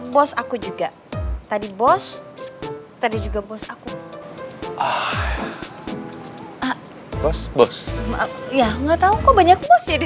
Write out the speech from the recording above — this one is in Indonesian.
bos aku juga tadi bos tadi juga bos aku ah ah bos bos ya nggak tahu kok banyak